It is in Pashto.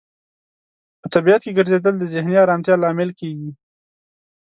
په طبیعت کې ګرځیدل د ذهني آرامتیا لامل کیږي.